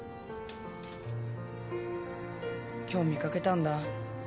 今日見掛けたんだ